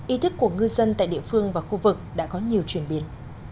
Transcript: ý thức của ngư dân tại địa phương và khu vực đã có nhiều chuyển biến